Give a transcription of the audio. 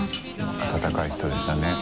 温かい人でしたね。